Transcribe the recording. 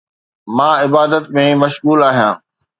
مان عبادت ۾ مشغول آهيان